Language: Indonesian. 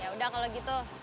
yaudah kalau gitu